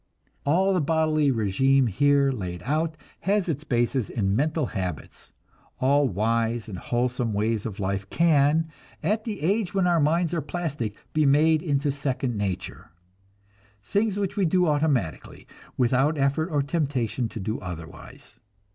All the bodily régime here laid out has its basis in mental habits; all wise and wholesome ways of life can, at the age when our minds are plastic, be made into "second nature" things which we do automatically, without effort or temptation to do otherwise.